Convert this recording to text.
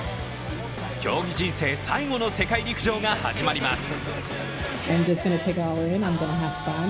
競技人生最後の世界陸上が始まります。